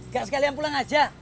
gak sekalian pulang aja